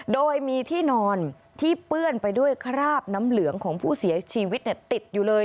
โดยมีที่นอนที่เปื้อนไปด้วยคราบน้ำเหลืองของผู้เสียชีวิตติดอยู่เลย